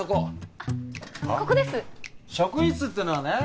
職員室ってのはね